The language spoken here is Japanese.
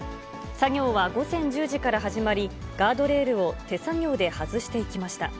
作業は午前１０時から始まり、ガードレールを手作業で外していきました。